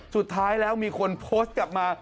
สุดท้ายแล้วมีคนโพสต์กลับมา